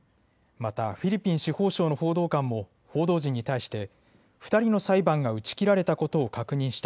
またフィリピン司法省の報道官も報道陣に対して２人の裁判が打ち切られたことを確認した。